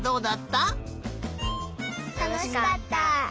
たのしかった。